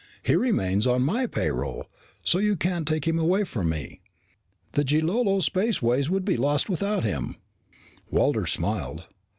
He remains on my payroll, so you can't take him away from me. The Jilolo Spaceways would be lost without him." Walters smiled.